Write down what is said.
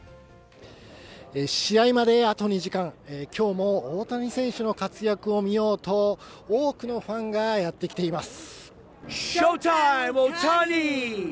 試合まであと２時間、きょうも大谷選手の活躍を見ようと、多くのファンがやって来ています。